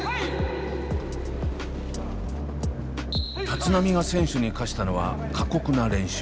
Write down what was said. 立浪が選手に課したのは過酷な練習。